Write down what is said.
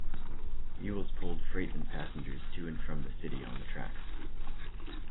Mules pulled freight and passengers to and from the city on the tracks.